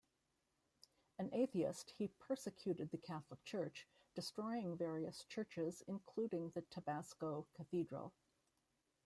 An atheist, he persecuted the Catholic Church, destroying various churches including the Tabasco Cathedral.